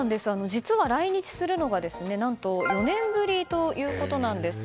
実は来日するのは何と４年ぶりということなんです。